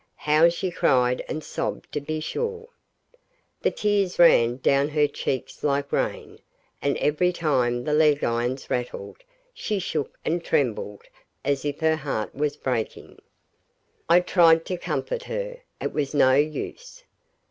How she cried and sobbed, to be sure. The tears ran down her cheeks like rain, and every time the leg irons rattled she shook and trembled as if her heart was breaking. I tried to comfort her; it was no use.